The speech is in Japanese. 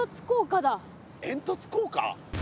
煙突効果？